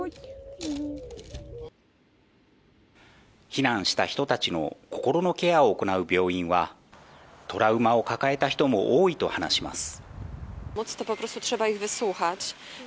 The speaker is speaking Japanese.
避難した人たちの心のケアを行う病院は、トラウマを抱えた人も多いと話します。